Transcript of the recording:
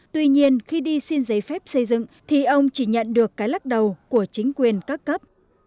tuy nhiên khi đi xin giấy phép xây dựng thì ông chỉ nhận được cái lắc đầu của chính quyền các cấp